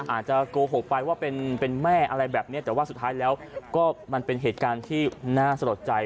อาจจะโกหกไปว่าเป็นแม่อะไรแบบนี้แต่ว่าสุดท้ายแล้วก็มันเป็นเหตุการณ์ที่น่าสะลดใจ